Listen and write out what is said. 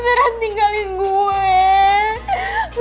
ngeran tinggalin gue